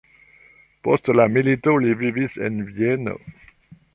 Post la milito li vivis en Vieno.